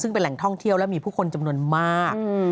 ซึ่งเป็นแหล่งท่องเที่ยวและมีผู้คนจำนวนมาก